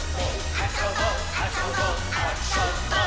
「あそぼあそぼあ・そ・ぼっ」